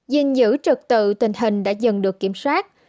dình dữ trực tự tình hình đã dần được kiểm soát